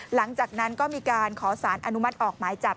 หลังจากนั้นก็มีการขอสารอนุมัติออกหมายจับ